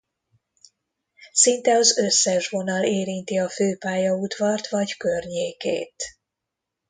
Szinte az összes vonal érinti a főpályaudvart vagy környékét.